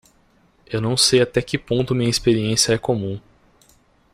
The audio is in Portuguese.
Eu não sei até que ponto minha experiência é comum.